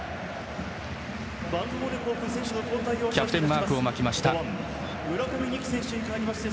キャプテンマークを巻きました。